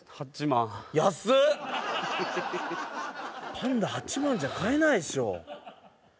パンダ８万じゃ買えないでしょ。